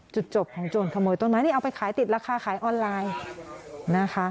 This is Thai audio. จุดจบของโจรขโมยต้นไม้นี่เอาไปขายติดราคาขายออนไลน์นะคะ